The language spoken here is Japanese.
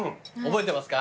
覚えてますよ。